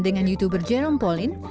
dengan youtuber jerome pauline